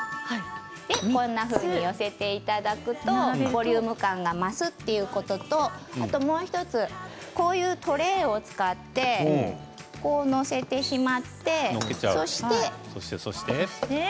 こんなふうに寄せていただくとボリューム感が増すということとあと、もう１つこういうトレーを使って載せてしまってそしてそして。